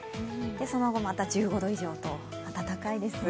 その後、１５度以上と暖かいです。